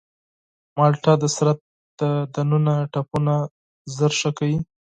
مالټه د بدن داخلي زخمونه ژر ښه کوي.